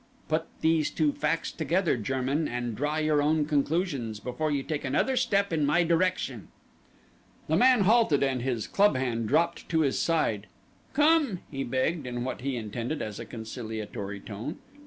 Put these two facts together, German, and draw your own conclusions before you take another step in my direction." The man halted and his club hand dropped to his side. "Come," he begged in what he intended as a conciliatory tone.